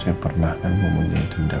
saya pernah kan mempunyai dendam